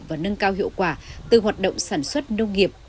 và nâng cao hiệu quả từ hoạt động sản xuất nông nghiệp